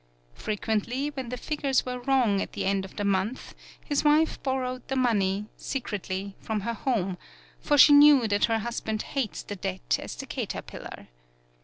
Fre quently, when the figures were wrong at the end of the month, his wife borrowed the money, secretly, from her home ; for she knew that her husband hates the debt as the caterpillar.